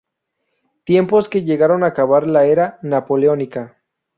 Tiempos que llegan acabada la era napoleónica.